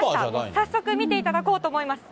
早速見ていただこうと思います。